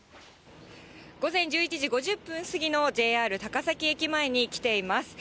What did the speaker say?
午前１１時５０分過ぎのＪＲ高崎駅前に来ています。